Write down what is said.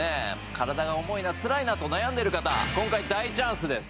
体が重いなつらいなと悩んでる方今回大チャンスです